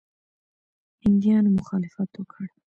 هندیانو مخالفت وکړ.